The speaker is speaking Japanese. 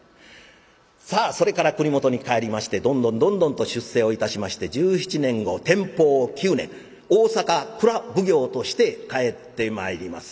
さあそれから国元に帰りましてどんどんどんどんと出世をいたしまして十七年後天保九年大坂蔵奉行として帰ってまいります。